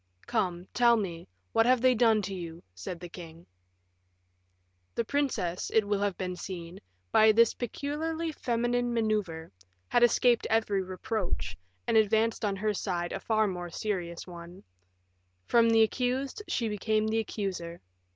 "Come, tell me, what have they done to you?" said the king. The princess, it will have been seen, by this peculiarly feminine maneuver, had escaped every reproach, and advanced on her side a far more serious one; from the accused she became the accuser.